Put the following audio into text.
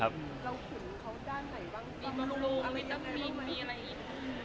มีบำรุงอะไรมีอะไรอีก